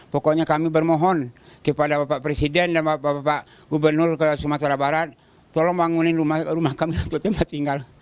pokoknya kami bermohon kepada bapak presiden dan bapak bapak gubernur ke sumatera barat tolong bangunin rumah kami untuk tempat tinggal